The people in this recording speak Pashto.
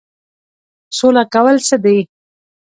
سوله کول څه دي؟